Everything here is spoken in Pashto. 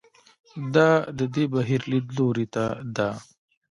دا د دې بهیر لیدلوري ته ده.